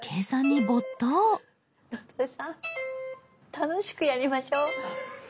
楽しくやりましょう。